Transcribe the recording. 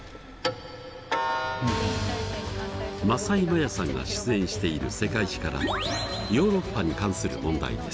政井マヤさんが出演している「世界史」からヨーロッパに関する問題です。